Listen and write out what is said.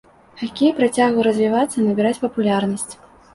Хакей працягваў развівацца і набіраць папулярнасць.